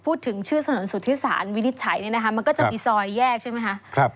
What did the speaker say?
พูดถึงชื่อถนนศูนย์ศูนย์ศานวินิสไสมันก็จะมีซอยแยกใช่ไหมค่ะ